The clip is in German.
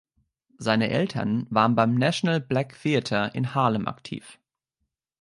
Seine Eltern waren beim National Black Theater in Harlem aktiv.